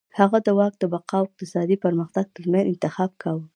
هغه د واک د بقا او اقتصادي پرمختګ ترمنځ انتخاب کاوه.